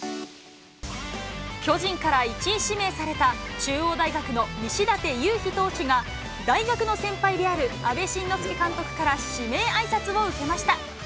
巨人から１位指名された、中央大学の西舘勇陽投手が、大学の先輩である阿部慎之助監督から指名あいさつを受けました。